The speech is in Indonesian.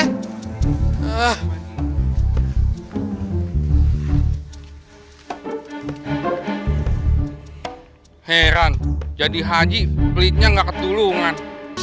heran jadi haji pelitnya gak ketulungan